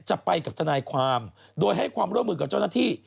จะไปกับทนายความโดยให้ความร่วมมือกับเจ้าหน้าที่